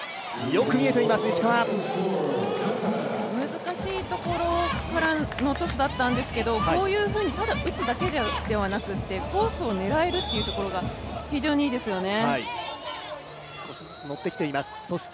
難しいところからのトスだったんですけどこういうふうに、ただ打つだけではなくてコースを狙えるというところが非常にいいですよね。